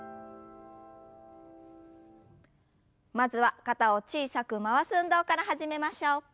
まずは肩を小さく回す運動から始めましょう。